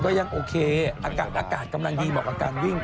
ยังโอเคอากาศกำลังดีเหมาะกับการวิ่ง